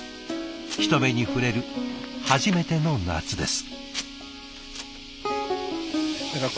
人目に触れる初めての夏です。